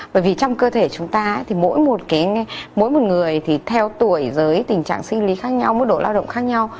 bởi vì trong cơ thể chúng ta mỗi một người theo tuổi tình trạng sinh lý khác nhau mức độ lao động khác nhau